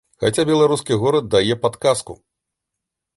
Хаця беларускі горад дае падказку.